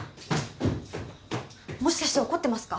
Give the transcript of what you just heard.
もしかして怒ってますか？